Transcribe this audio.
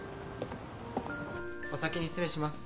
お先に失礼します。